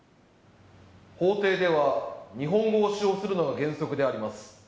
法廷では日本語を使用するのが原則であります。